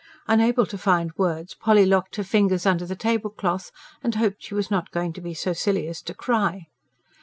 Unable to find words, Polly locked her fingers under the tablecloth and hoped she was not going to be so silly as to cry.